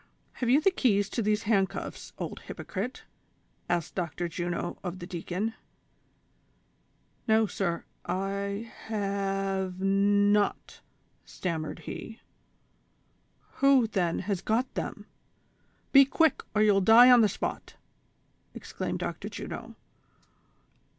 " Have you the keys to these handcuffs, old hypocrite ?" asked Dr. Juno of the deacon. "IS'o, sir, I— I h— a— V— e not," stammered he. " Who, then, has got them ? Be quick, or you'll die on the spot," exclaimed Dr. Juno.